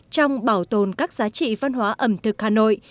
trong bảo tồn các giá trị văn hóa ẩm thực hà nội